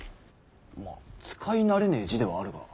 まあ使い慣れねぇ字ではあるが。